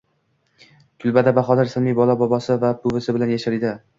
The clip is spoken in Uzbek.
kulbada Bahodir ismli bola bobosi va buvisi bilan yashar edi